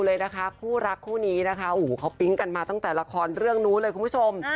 เลยนะคะคู่รักคู่นี้นะคะโอ้โหเขาปิ๊งกันมาตั้งแต่ละครเรื่องนู้นเลยคุณผู้ชม